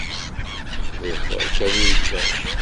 D lxir kan i yellan